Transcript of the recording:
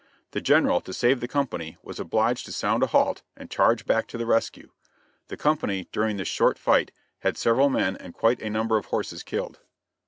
The General, to save the company, was obliged to sound a halt and charge back to the rescue. The company, during this short fight, had several men and quite a number of horses killed.